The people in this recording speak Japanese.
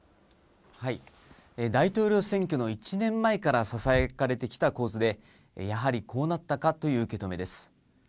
大統領選挙の１年前からささやかれてきた構図で、やはりこうなったかという受け止めです。